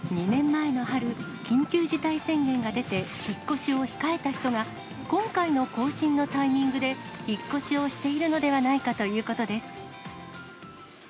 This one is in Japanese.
２年前の春、緊急事態宣言が出て、引っ越しを控えた人が、今回の更新のタイミングで引っ越しをしているのではないかということです。